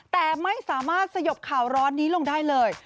แต่ไม่สามารถสยบข่าวร้อนนี้ลงได้เลย